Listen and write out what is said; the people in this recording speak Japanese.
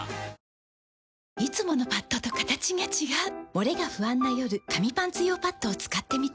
モレが不安な夜紙パンツ用パッドを使ってみた。